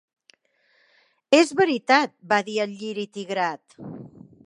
"És veritat!" va dir el Lliri tigrat.